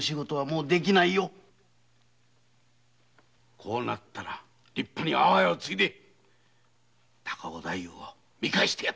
こうなれば立派に阿波屋を継いで高尾太夫を見返してやるんだ。